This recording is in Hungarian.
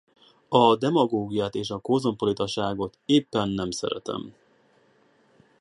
A demagógiát és a kozmopolitaságot épen nem szeretem.